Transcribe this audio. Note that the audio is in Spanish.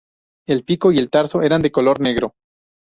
El pico y el tarso eran de color negro.